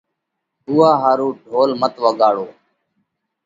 اُوئا ۿارُو ڍول مت وڳاڙو۔